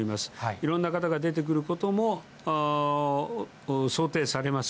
いろんな方が出てくることも想定されます。